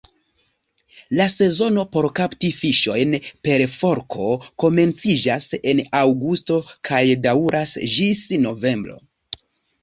La sezono por kapti fiŝojn per forko komenciĝas en aŭgusto kaj daŭras ĝis novembro.